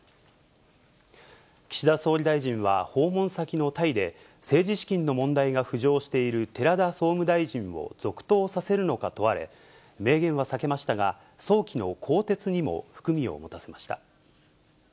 岸田総理大臣は訪問先のタイで、政治資金の問題が浮上している寺田総務大臣を続投させるのか問われ、明言は避けましたが、早期の更迭にも含みを持たせました。